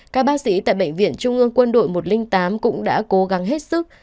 các bác sĩ tại bệnh viện trung ương quân đội một trăm linh tám cũng đã cố gắng hết sức